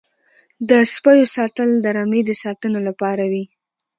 د سپیو ساتل د رمې د ساتنې لپاره وي.